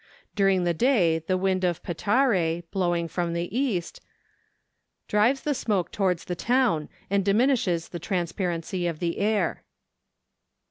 During the day the wind of Petare, blowing from the east, drives the smoke towards the town, and diminishes the transparency of the air.